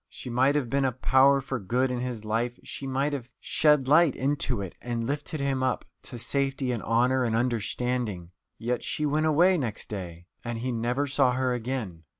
She might have been a power for good in his life, she might have shed light into it and lifted him up to safety and honour and understanding. Yet she went away next day, and he never saw her again.